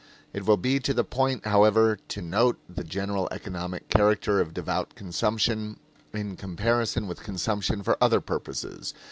It will be to the point, however, to note the general economic character of devout consumption, in comparison with consumption for other purposes.